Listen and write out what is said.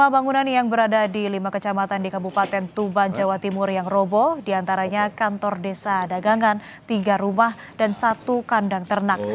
lima bangunan yang berada di lima kecamatan di kabupaten tuban jawa timur yang robo diantaranya kantor desa dagangan tiga rumah dan satu kandang ternak